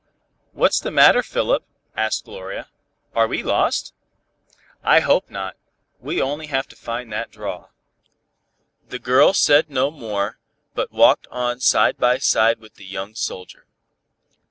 "What's the matter, Philip?" asked Gloria. "Are we lost?" "I hope not, we only have to find that draw." The girl said no more, but walked on side by side with the young soldier.